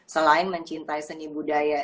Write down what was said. selain mencintai seni budaya